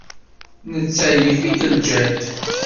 Netta yif-ik ljehd.